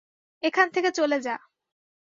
এখান থেকে চলে যা!